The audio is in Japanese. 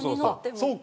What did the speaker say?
そうか！